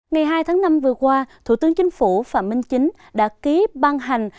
ngày hai tháng năm vừa qua thủ tướng chính phủ phạm minh chính đã ký ban hành